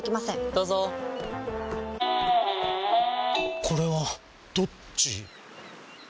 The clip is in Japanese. どうぞこれはどっち？